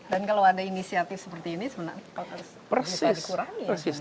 dan kalau ada inisiatif seperti ini sebenarnya harus dikurangi